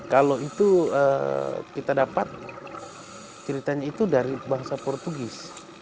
kalau itu kita dapat ceritanya itu dari bangsa portugis